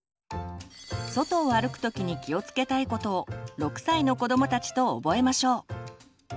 外を歩くときに気をつけたいことを６歳の子どもたちと覚えましょう。